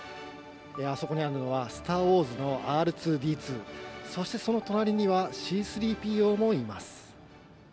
あそこにあるのは、スター・ウォーズのＲ２ーＤ２、そしてその隣にはＣー３ＰＯもいます。